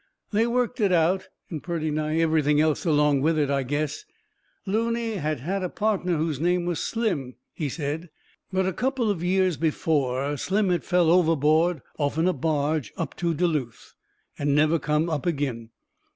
They worked it out, and purty nigh everything else along with it, I guess. Looney had had a pardner whose name was Slim, he said; but a couple of years before Slim had fell overboard off'n a barge up to Duluth and never come up agin.